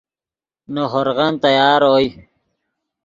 نے ہورغن تیار اوئے